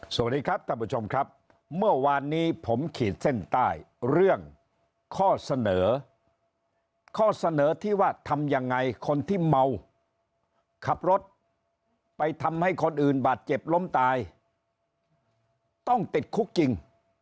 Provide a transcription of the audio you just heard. สวัสดีครับท่านผู้ชมครับเมื่อวานนี้ผมขีดเส้นใต้เรื่องข้อเสนอข้อเสนอที่ว่าทำยังไงคนที่เมาขับรถไปทำให้คนอื่นบาดเจ็บล้มตายต้องติดคุกจริง